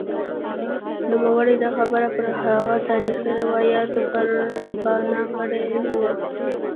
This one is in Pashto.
نوموړي دا خبره پر هغه تاریخي روایت پر بنا کړې وه.